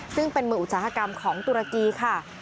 ซึ่งเป็นมืออุตสาหกรรมของตุรกีค่ะ